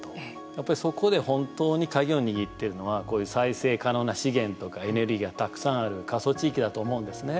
やっぱり、そこで本当に鍵を握ってるのはこういう再生可能な資源とかエネルギーがたくさんある過疎地域だと思うんですね。